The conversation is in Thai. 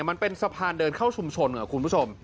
มันเป็นสะพานเดินเข้าชุมชนครับคุณผู้ชม